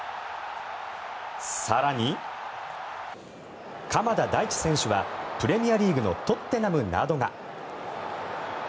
更に、鎌田大地選手はプレミアリーグのトッテナムなどが。